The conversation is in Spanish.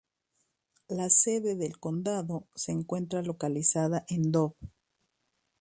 La sede del condado se encuentra localizada en Dove.